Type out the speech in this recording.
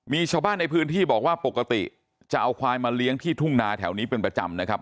มีชาวบ้านในพื้นที่บอกว่าปกติจะเอาควายมาเลี้ยงที่ทุ่งนาแถวนี้เป็นประจำนะครับ